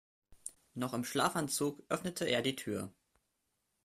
Noch im Schlafanzug öffnete er die Tür.